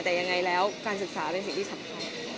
แต่ยังไงแล้วการศึกษาเป็นสิ่งที่สำคัญ